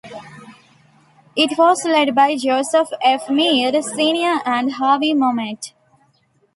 It was led by Joseph F. Meade, Senior and Harvey Mummert.